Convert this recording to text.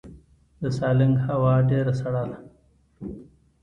د سالنګ هوا ډیره سړه ده